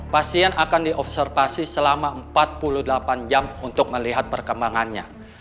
pasien akan diobservasi selama empat puluh delapan jam untuk melihat perkembangannya